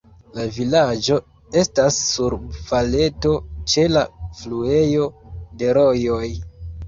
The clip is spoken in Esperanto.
La vilaĝo estas sur valeto, ĉe la fluejo de rojoj.